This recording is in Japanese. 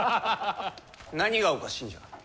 何がおかしいんじゃ。